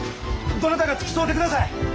どなたか付き添うてください！